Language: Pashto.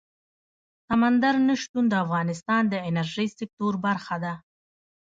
سمندر نه شتون د افغانستان د انرژۍ سکتور برخه ده.